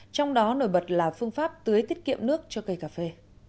trong đó nổi bật là phương pháp tưới tiết kiệm nước cho cây cà phê